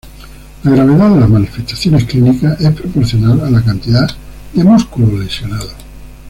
La gravedad de las manifestaciones clínicas es proporcional a la cantidad de músculo lesionado.